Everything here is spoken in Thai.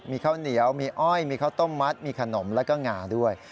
มีข้าวเหนียวมีอ้อยมีข้าวต้มมัดมีขนมแล้วก็งาด้วย